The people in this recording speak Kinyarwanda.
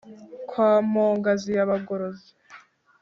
kwa mpogazi ya bagorozi,